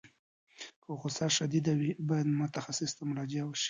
که غوسه شدید وي، باید متخصص ته مراجعه وشي.